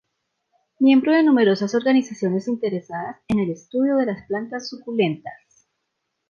Miembro de numerosas organizaciones interesadas en el estudio de las plantas suculentas.